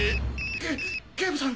け警部さん！